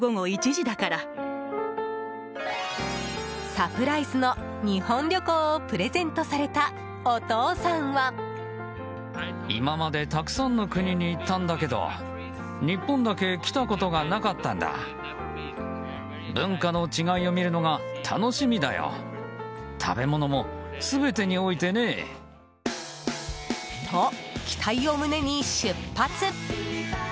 サプライズの日本旅行をプレゼントされたお父さんは。と、期待を胸に出発。